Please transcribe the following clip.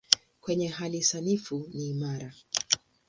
Kwenye hali sanifu ni imara.